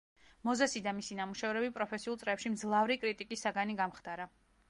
მოზესი და მისი ნამუშევრები პროფესიულ წრეებში მძლავრი კრიტიკის საგანი გამხდარა.